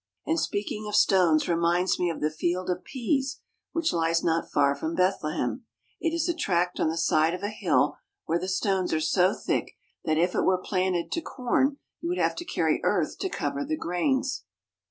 And speaking of stones reminds me of the Field of Peas, which lies not far from Bethlehem. It is a tract 142 BETHLEHEM on the side of a hill where the stones are so thick that if it were planted to corn you would have to carry earth to cover the grains.